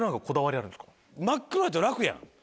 真っ黒やと楽やん！